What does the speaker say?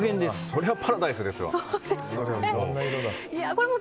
それはパラダイスですわ。